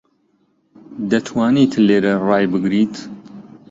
دەتوانیت لێرە ڕای بگریت؟